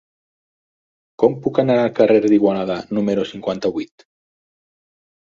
Com puc anar al carrer d'Igualada número cinquanta-vuit?